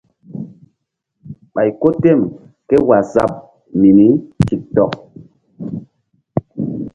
Ɓay ko tem ké waazap mini tik tok.